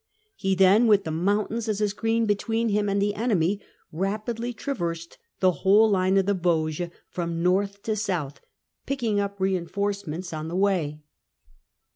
He then, with the moun tains as a screen between him and the enemy, rapidly traversed the whole line of the Vosges from north to south, picking up reinforcements on the way.